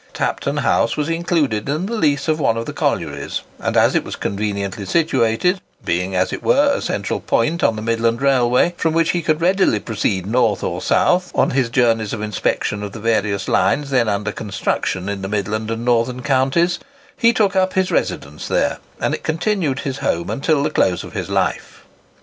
[Picture: Lime Works at Ambergate] Tapton House was included in the lease of one of the collieries, and as it was conveniently situated—being, as it were, a central point on the Midland Railway, from which he could readily proceed north or south, on his journeys of inspection of the various lines then under construction in the midland and northern counties,—he took up his residence there, and it continued his home until the close of his life.